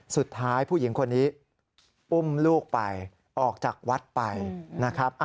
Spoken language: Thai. ผู้หญิงคนนี้อุ้มลูกไปออกจากวัดไปนะครับ